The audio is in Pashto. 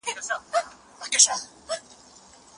مور د ماشوم د خوړو ډول ټاکي.